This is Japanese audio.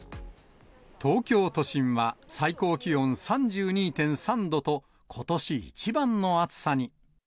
東京都心は最高気温３２．３度と、ことし一番の暑さに。